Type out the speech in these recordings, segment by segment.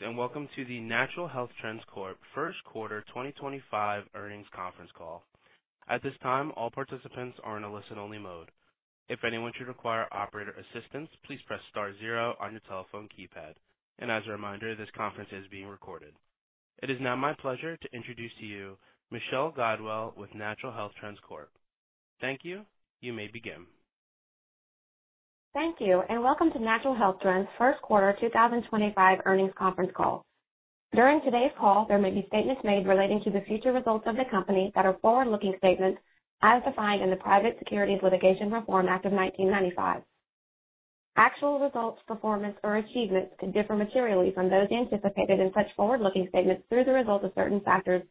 Greetings and welcome to the Natural Health Trends Corp Q1 2025 earnings conference call. At this time, all participants are in a listen-only mode. If anyone should require operator assistance, please press star zero on your telephone keypad. As a reminder, this conference is being recorded. It is now my pleasure to introduce to you Michel Glidewell with Natural Health Trends Corp. Thank you. You may begin. Thank you and welcome to Natural Health Trends Q1 2025 earnings conference call. During today's call, there may be statements made relating to the future results of the company that are forward-looking statements as defined in the Private Securities Litigation Reform Act of 1995. Actual results, performance, or achievements could differ materially from those anticipated in such forward-looking statements through the result of certain factors,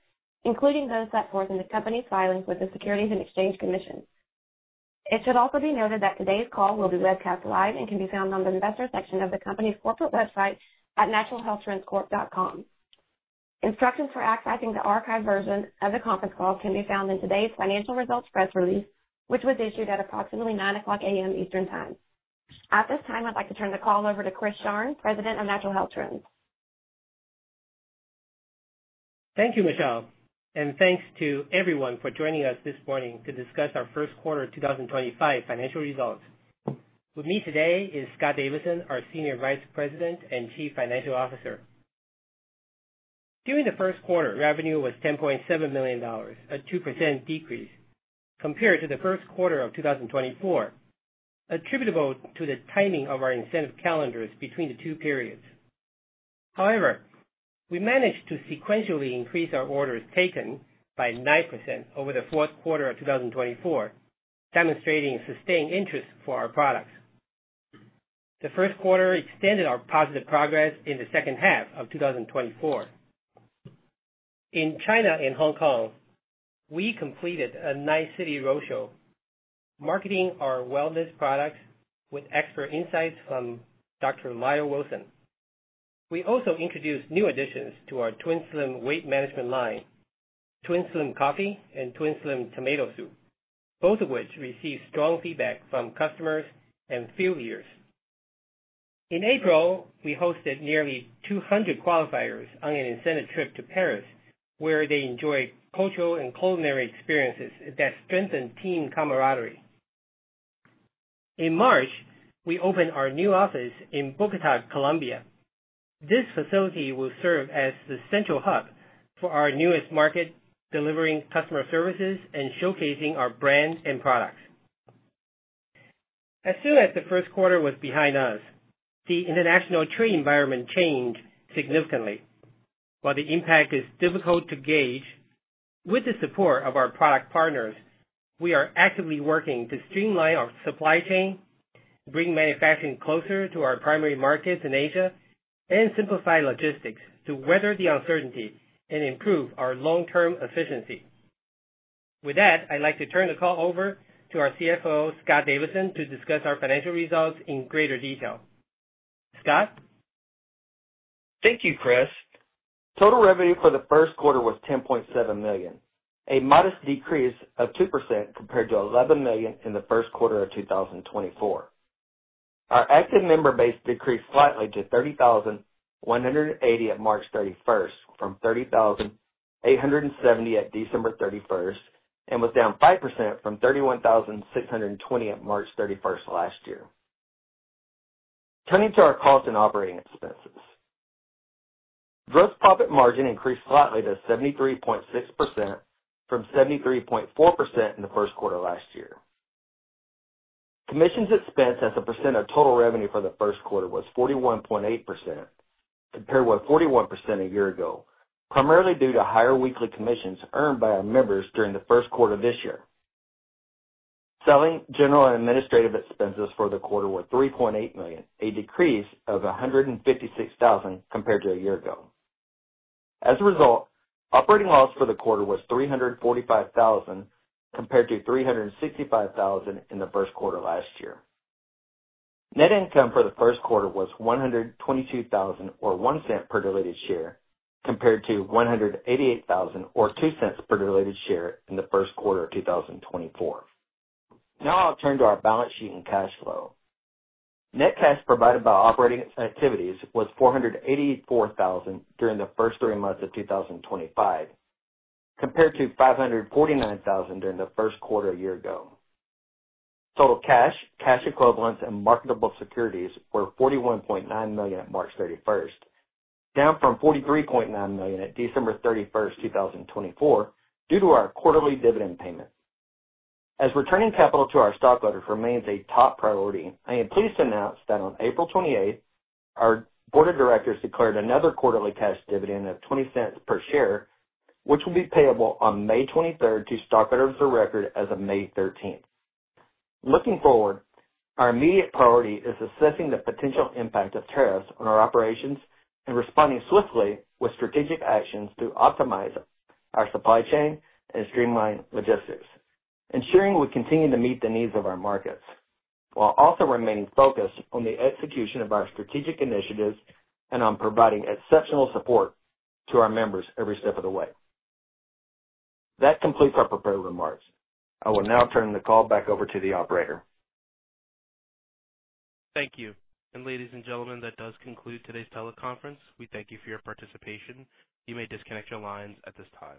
including those set forth in the company's filings with the Securities and Exchange Commission. It should also be noted that today's call will be webcast live and can be found on the investor section of the company's corporate website at naturalhealthtrendscorp.com. Instructions for accessing the archived version of the conference call can be found in today's financial results press release, which was issued at approximately 9:00 AM Eastern Time. At this time, I'd like to turn the call over to Chris Sharng, President of Natural Health Trends. Thank you, Michelle. Thank you to everyone for joining us this morning to discuss our Q1 2025 financial results. With me today is Scott Davidson, our Senior Vice President and Chief Financial Officer. During the Q1, revenue was $10.7 million, a 2% decrease compared to the Q1 of 2024, attributable to the timing of our incentive calendars between the two periods. However, we managed to sequentially increase our orders taken by 9% over the Q4 of 2024, demonstrating sustained interest for our products. The Q1 extended our positive progress in the second half of 2024. In China and Hong Kong, we completed a nine-city roadshow, marketing our wellness products with expert insights from Dr. Lyle Wilson. We also introduced new additions to our TwinSlim weight management line: TwinSlim coffee and Twin Slim tomato soup, both of which received strong feedback from customers and field leaders. In April, we hosted nearly 200 qualifiers on an incentive trip to Paris, where they enjoyed cultural and culinary experiences that strengthened team camaraderie. In March, we opened our new office in Bogota, Colombia. This facility will serve as the central hub for our newest market, delivering customer services and showcasing our brand and products. As soon as the Q1 was behind us, the international trade environment changed significantly. While the impact is difficult to gauge, with the support of our product partners, we are actively working to streamline our supply chain, bring manufacturing closer to our primary markets in Asia, and simplify logistics to weather the uncertainty and improve our long-term efficiency. With that, I'd like to turn the call over to our CFO, Scott Davidson, to discuss our financial results in greater detail. Scott? Thank you, Chris. Total revenue for the Q1 was $10.7 million, a modest decrease of 2% compared to $11 million in the Q1 of 2024. Our active member base decreased slightly to 30,180 at March 31st from 30,870 at December 31st and was down 5% from 31,620 at March 31st last year. Turning to our cost and operating expenses, gross profit margin increased slightly to 73.6% from 73.4% in the first quarter last year. Commissions expense as a percent of total revenue for the first quarter was 41.8%, compared with 41% a year ago, primarily due to higher weekly commissions earned by our members during the first quarter of this year. Selling, general, and administrative expenses for the quarter were $3.8 million, a decrease of $156,000 compared to a year ago. As a result, operating loss for the quarter was $345,000 compared to $365,000 in the Q1 last year. Net income for the Q1 was $122,000 or 1 cent per diluted share, compared to $188,000 or 2 cents per diluted share in the Q1 of 2024. Now I'll turn to our balance sheet and cash flow. Net cash provided by operating activities was $484,000 during the first three months of 2025, compared to $549,000 during the first quarter a year ago. Total cash, cash equivalents, and marketable securities were $41.9 million at March 31, down from $43.9 million at December 31, 2024, due to our quarterly dividend payment. As returning capital to our stockholders remains a top priority, I am pleased to announce that on April 28th, our board of directors declared another quarterly cash dividend of $0.20 per share, which will be payable on May 23rd to stockholders of record as of May 13th. Looking forward, our immediate priority is assessing the potential impact of tariffs on our operations and responding swiftly with strategic actions to optimize our supply chain and streamline logistics, ensuring we continue to meet the needs of our markets, while also remaining focused on the execution of our strategic initiatives and on providing exceptional support to our members every step of the way. That completes our prepared remarks. I will now turn the call back over to the operator. Thank you. Ladies and gentlemen, that does conclude today's teleconference. We thank you for your participation. You may disconnect your lines at this time.